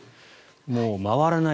もう回らない。